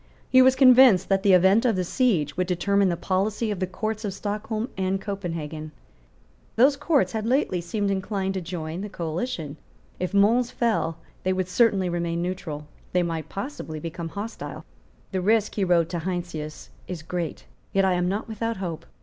He was convinced that the event of the siege would determine the policy of the Courts of Stockholm and Copenhagen. Those Courts had lately seemed inclined to join the coalition. If Mons fell, they would certainly remain neutral; they might possibly become hostile. "The risk," he wrote to Heinsius, "is great; yet I am not without hope.